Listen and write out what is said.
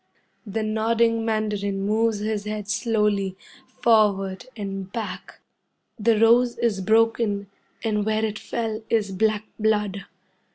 The nodding mandarin moves his head slowly, forward and back. The rose is broken, and where it fell is black blood.